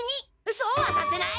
そうはさせない！